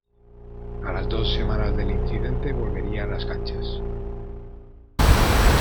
A las dos semanas del incidente volvería a las canchas.